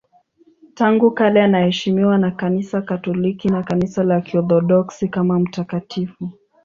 Tangu kale anaheshimiwa na Kanisa Katoliki na Kanisa la Kiorthodoksi kama mtakatifu.